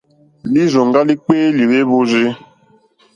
Lírzòŋgá líkpéélì wêhwórzí.